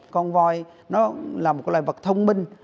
con voi nó là một loài vật thông minh